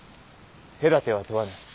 手だては問わぬ！